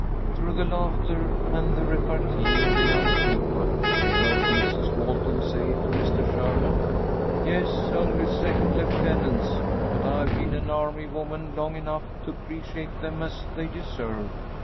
Through the laughter and the repartee of the young people she heard Mrs. Walton say to Mr. Sherman: "Yes, only second lieutenants, but I've been an army woman long enough to appreciate them as they deserve.